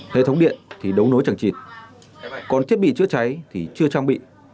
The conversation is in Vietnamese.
hệ thống điện thì đấu nối chẳng chịt còn thiết bị chữa cháy thì chưa trang bị